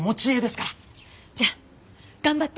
じゃあ頑張って。